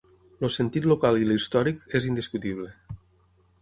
El sentit local i l’històric és indiscutible.